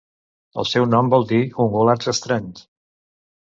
El seu nom vol dir 'ungulats estranys'.